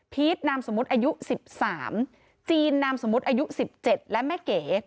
พีชนามสมมติอายุสิบสามจีนนามสมมติอายุสิบเจ็ดและแม่เก๋